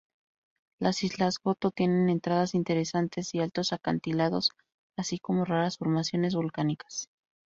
Las Islas Goto tienen entradas interesantes y altos acantilados, así como raras formaciones volcánicas.